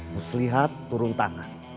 muslihat turun tangan